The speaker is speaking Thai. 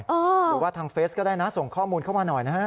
หรือว่าทางเฟสก็ได้นะส่งข้อมูลเข้ามาหน่อยนะฮะ